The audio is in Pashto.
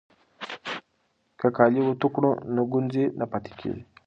که کالي اوتو کړو نو ګونځې نه پاتې کیږي.